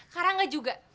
kak rangga juga